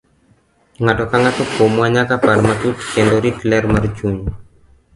Ng'ato ka ng'ato kuomwa nyaka par matut kendo rito ler mar chunye.